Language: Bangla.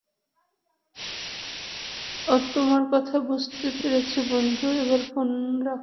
ও তোমার কথা বুঝতে পেরেছে বন্ধু, এবার ফোন রাখো।